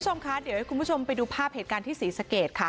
คุณผู้ชมคะเดี๋ยวให้คุณผู้ชมไปดูภาพเหตุการณ์ที่ศรีสะเกดค่ะ